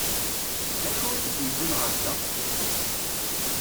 D acu i tt-id-yewwin ɣer da?